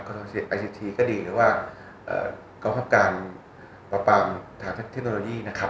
สิทธิประสิทธิก็ดีหรือว่ากองคับการปราบปรามทางเทคโนโลยีนะครับ